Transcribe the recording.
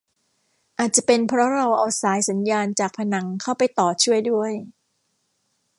อาจจะเป็นเพราะเราเอาสายสัญญาณจากผนังเข้าไปต่อช่วยด้วย